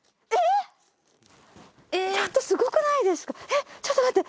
えっちょっと待って。